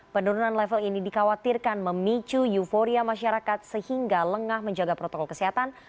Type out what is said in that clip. penurunan level ini dikhawatirkan memicu euforia masyarakat sehingga lengah menjaga protokol kesehatan